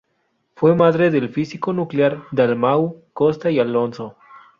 Fue madre del físico nuclear Dalmau Costa y Alonso.